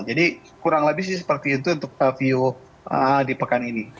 jadi kurang lebih sih seperti itu untuk view di pekan ini